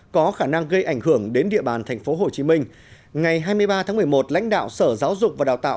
có khả năng gây ảnh hưởng đến địa bàn tp hcm ngày hai mươi ba tháng một mươi một lãnh đạo sở giáo dục và đào tạo